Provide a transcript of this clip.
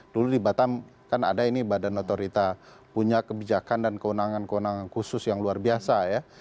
dulu di batam kan ada ini badan otorita punya kebijakan dan kewenangan kewenangan khusus yang luar biasa ya